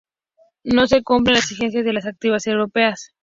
No se cumplen las exigencias de las directivas europeas